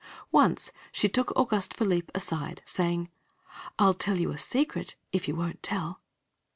Once she took Auguste Philippe aside, saying: "I'll tell you a secret, if you won't tell."